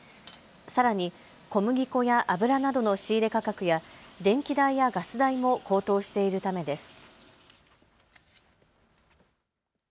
さらに小麦粉や油などの仕入れ価格や電気代やガス代も高騰しているためです。